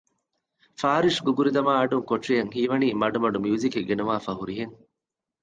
ފާރިޝް ގުގުރިދަމާއަޑުން ކޮޓަރިއަށް ހީވަނީ މަޑުމަޑު މިއުޒިކެއް ގެނުވާފައި ހުރިހެން